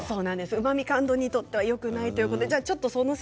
うまみ感度にとってはよくないということなんです。